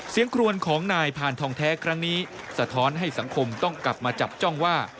ครวนของนายพานทองแท้ครั้งนี้สะท้อนให้สังคมต้องกลับมาจับจ้องว่า